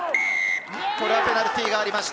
これはペナルティーがありました。